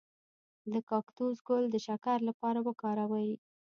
د کاکتوس ګل د شکر لپاره وکاروئ